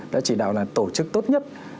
đã chỉ đạo là tổ chức tốt nhất